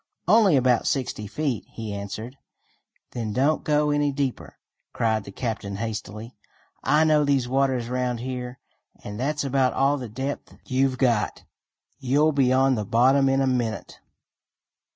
"Only about sixty feet," he answered. "Then don't go any deeper!" cried the captain hastily. "I know these waters around here, and that's about all the depth you've got. You'll be on the bottom in a minute."